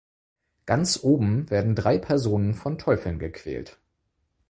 Ganz oben werden drei Personen von Teufeln gequält.